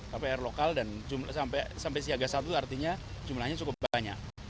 tapi air lokal sampai siaga satu artinya jumlahnya cukup banyak